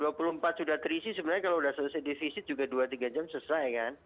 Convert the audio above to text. dua puluh empat sudah terisi sebenarnya kalau sudah selesai defisit juga dua tiga jam selesai kan